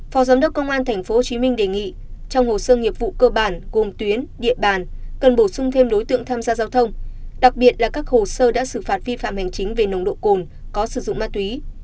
phó giám đốc công an tp hcm đề nghị trong hồ sơ nghiệp vụ cơ bản cùng tuyến địa bàn cần bổ sung thêm đối tượng tham gia giao thông đặc biệt là các hồ sơ đã xử phạt vi phạm hành chính về nồng độ cồn có sử dụng ma túy